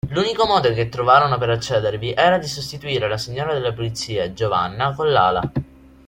L'unico modo che trovarono per accedervi era di sostituire la signora delle pulizie, Giovanna, con Lala.